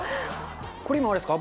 これ、今、あれですか？